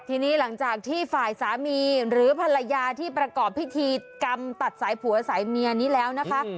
ทีนี้หลังจากที่ฝ่ายสามีหรือภรรยาที่ประกอบพิธีกรรมตัดสายผัวสายเมียนี้แล้วนะคะ